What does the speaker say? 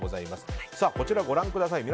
こちらご覧ください。